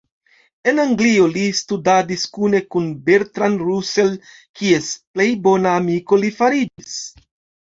En Anglio li studadis kune kun Bertrand Russell, kies plej bona amiko li fariĝis.